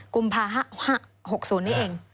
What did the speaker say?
กุมภา๖๐นี้เอง